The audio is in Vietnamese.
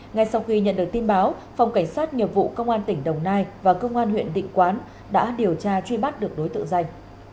ngay sau khi nhận được tin báo phòng cảnh sát nghiệp vụ công an tỉnh đồng nai và công an huyện định quán đã điều tra truy bắt được đối tượng danh